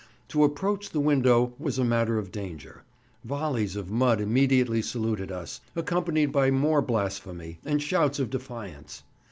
To approach the window was a matter of danger; volleys of mud immediately saluted us, accompanied by more blasphemy and shouts of defiance.